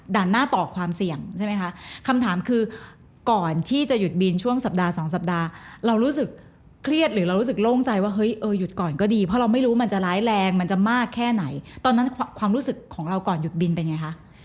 หน้าต่อความเสี่ยงใช่ไหมคะคำถามคือก่อนที่จะหยุดบินช่วงสัปดาห์สองสัปดาห์เรารู้สึกเครียดหรือเรารู้สึกโล่งใจว่าเฮ้ยเออหยุดก่อนก็ดีเพราะเราไม่รู้มันจะร้ายแรงมันจะมากแค่ไหนตอนนั้นความรู้สึกของเราก่อนหยุดบินเป็นไงคะ